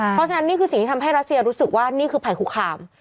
เพราะฉะนั้นนี่คือสิ่งที่ทำให้รัสเซียรู้สึกว่านี่คือภัยคุกคาม